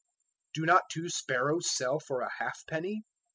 010:029 Do not two sparrows sell for a halfpenny?